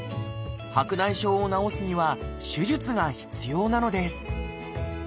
白内障を治すには手術が必要なのです。